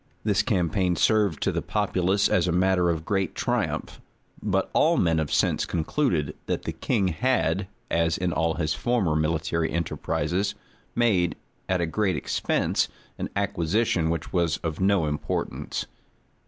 This campaign served to the populace as matter of great triumph; but all men of sense concluded, that the king had, as in all his former military enterprises, made, at a great expense, an acquisition which was of no importance.